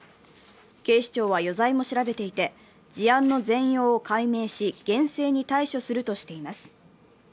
警視庁は余罪も調べていて、事案の全容を解明し、厳正に対処するとしています。